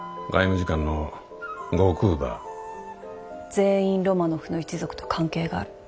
全員ロマノフの一族と関係がある。